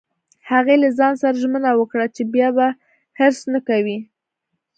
هغې له ځان سره ژمنه وکړه چې بیا به حرص نه کوي